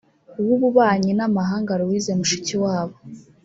uw’Ububanyi n’Amahanga Louise Mushikiwabo